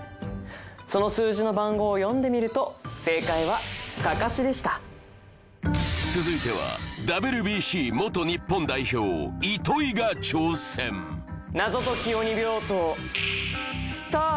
その数字の番号を読んでみると正解は「かかし」でした続いてはＷＢＣ元日本代表糸井が挑戦はあ？